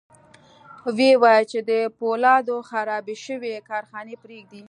ويې ویل چې د پولادو خرابې شوې کارخانې پرېږدي